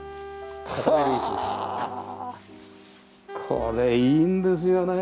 これいいんですよね。